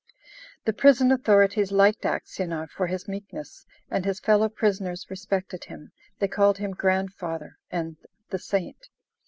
The prison authorities liked Aksionov for his meekness, and his fellow prisoners respected him: they called him "Grandfather," and "The Saint."